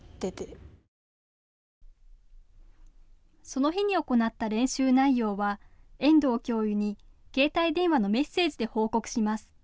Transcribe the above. その日に行った練習内容は遠藤教諭に携帯電話のメッセージで報告します。